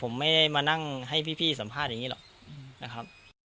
ผมไม่ได้มานั่งให้พี่สัมภาษณ์อย่างนี้หรอกนะครับ